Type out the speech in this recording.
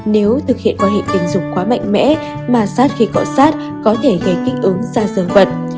nếu thực hiện quan hệ tình dục quá mạnh mẽ mà sát khi cọ sát có thể gây kích ứng da vật